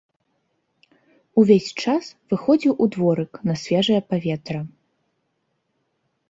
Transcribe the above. Увесь час выходзіў у дворык на свежае паветра.